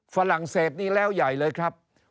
ฝรั่งเศสนี่แล้วใหญ่เลยครับ